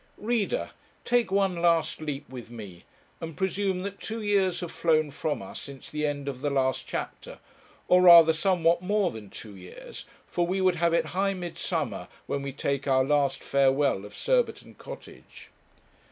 Reader! take one last leap with me, and presume that two years have flown from us since the end of the last chapter; or rather somewhat more than two years, for we would have it high midsummer when we take our last farewell of Surbiton Cottage.